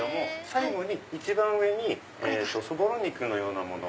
最後に一番上にそぼろ肉のようなもの。